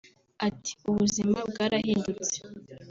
Ati” Ubuzima bwarahindutse